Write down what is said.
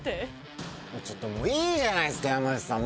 ちょっといいじゃないですか山内さん